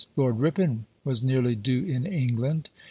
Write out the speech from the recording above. Lord Ripon was nearly due in England.